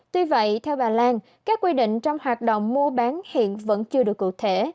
tuy vậy theo bà lan các quy định trong hoạt động mua bán hiện vẫn chưa được cụ thể